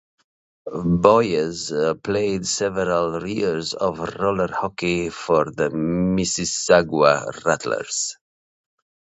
Boyes played several years of roller hockey for the Mississauga Rattlers.